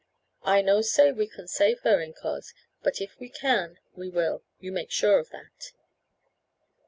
"I no say we can save her, incos, but if we can we will. You make sure of that."